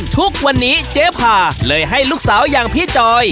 ทุกวันนี้เจ๊พาเลยให้ลูกสาวอย่างพี่จอย